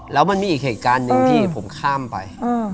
แล้วมันมีอีกเหตุการณ์หนึ่งที่ผมข้ามไป